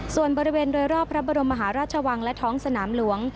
ส่วนบริเวณโดยรอบพระบรมมหาราชวังและท้องสนามหลวง